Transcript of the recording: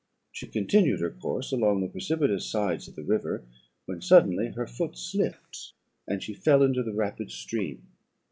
She continued her course along the precipitous sides of the river, when suddenly her foot slipt, and she fell into the rapid stream.